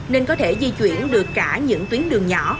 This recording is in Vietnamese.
nên có thể di chuyển được cả những tuyến đường nhỏ